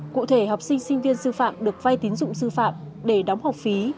cụ thể học sinh sinh viên sư phạm được vay tín dụng sư phạm để đóng học phí